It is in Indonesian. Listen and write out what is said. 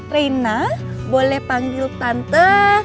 rena boleh panggil tante